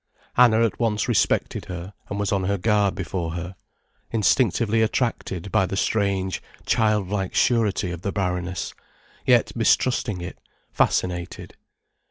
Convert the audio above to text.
Anna at once respected her, and was on her guard before her, instinctively attracted by the strange, childlike surety of the Baroness, yet mistrusting it, fascinated.